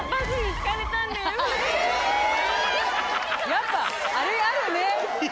やっぱあれあるね。